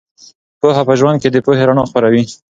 پوهه په ژوند کې د پوهې رڼا خپروي.